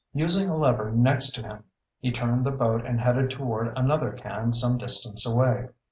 Using a lever next to him, he turned the boat and headed toward another can some distance away.